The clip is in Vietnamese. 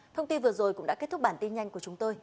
thông tin vừa rồi cũng đã kết thúc bản tin nhanh của chúng tôi